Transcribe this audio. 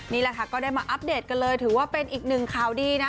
นี่แหละค่ะก็ได้มาอัปเดตกันเลยถือว่าเป็นอีกหนึ่งข่าวดีนะ